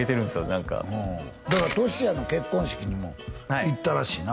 何かだからとしやの結婚式にも行ったらしいな